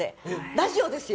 ラジオですよ。